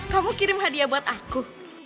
kamu kirim hadiah buat aku